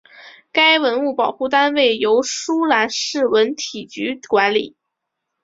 该文物保护单位由舒兰市文体局管理。